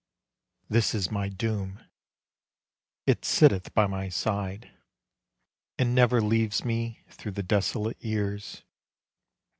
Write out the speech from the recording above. This is my doom, it sitteth by my side, And never leaves me through the desolate years.